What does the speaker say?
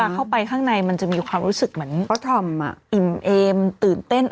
เขาทำอิมเอมตื่นเต้น